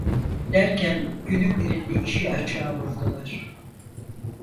Derken günün birinde işi açığa vurdular.